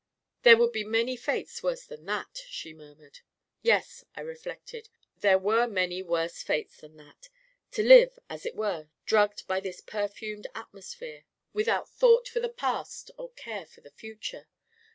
44 There would be many fates worse than that 1 " she murmured. Yes, I reflected, there were many worse fates ii2 A KING IN BABYLON than that — to live, as it were, drugged by this per fumed atmosphere, without thought for the past or care for the future